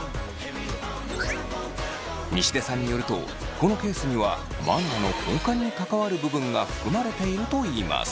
西出さんによるとこのケースにはマナーの根幹に関わる部分が含まれているといいます。